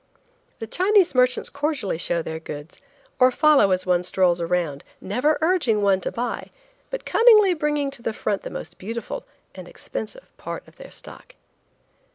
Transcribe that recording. The Chinese merchants cordially show their goods, or follow as one strolls around, never urging one to buy, but cunningly bringing to the front the most beautiful and expensive part of their stock.